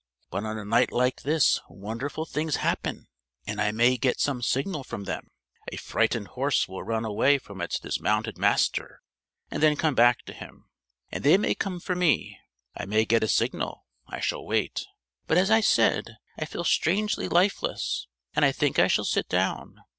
But on a night like this wonderful things happen; and I may get some signal from them. A frightened horse will run away from its dismounted master and then come back to him. And they may come for me. I may get a signal. I shall wait. But as I said, I feel strangely lifeless: and I think I shall sit down.